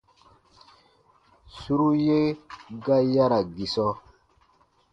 Suru ye ga yara gisɔ.